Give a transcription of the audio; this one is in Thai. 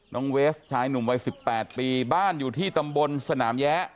เวฟชายหนุ่มวัย๑๘ปีบ้านอยู่ที่ตำบลสนามแยะ